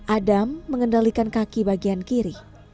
adam mengendalikan kaki bagian kiri